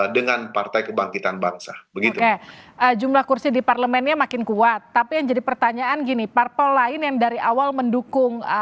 dengan partai kebangkitan bangsa jumlah kursi di parlemennya makin kuat tapi yang jadi pertanyaan gini parpol lain yang dari awal mendukung